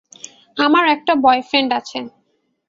আমার একটা বয়ফ্রেন্ড আছে।